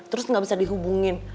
terus gak bisa dihubungin